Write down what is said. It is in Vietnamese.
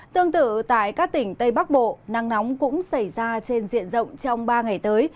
tương tự tại các tỉnh tây bắc bộ nắng nóng cũng xảy ra trên diện rộng trong ba ngày tới